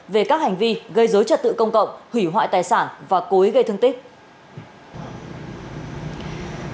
về các hành vi gây dối trật tự công cộng hủy hoại tài sản và cố ý gây thương tích